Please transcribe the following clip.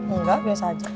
engga biasa aja